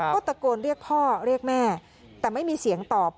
ก็ตะโกนเรียกพ่อเรียกแม่แต่ไม่มีเสียงตอบ